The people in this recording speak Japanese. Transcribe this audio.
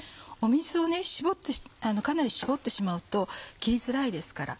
水をかなり絞ってしまうと切りづらいですから。